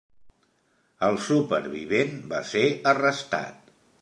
El supervivent va ser arrestat.